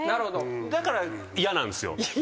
だから嫌なんですよ。